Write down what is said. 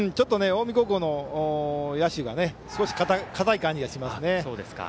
近江高校の野手が少し硬い感じがしますね。